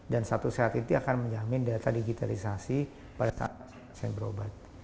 dan satu sehat itu akan menjamin data digitalisasi pada saat saya berobat